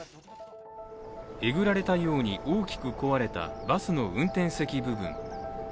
えぐられたように大きく壊れたバスの運転席部分。